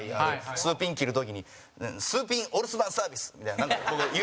スーピン切る時に「スーピンお留守番サービス」みたいな事、言うんですよ。